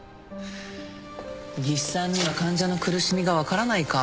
技師さんには患者の苦しみが分からないか。